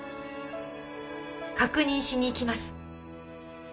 確認しに行きます。